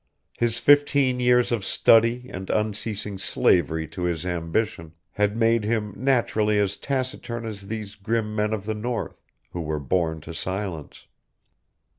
His fifteen years of study and unceasing slavery to his ambition had made him naturally as taciturn as these grim men of the North, who were born to silence.